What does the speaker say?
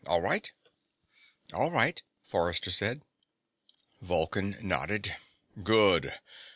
All right?" "All right," Forrester said. Vulcan nodded. "Good.